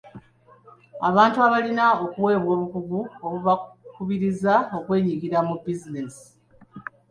Abantu balina okuweebwa obukugu okubakubiriza okwenyigira mu bizinensi.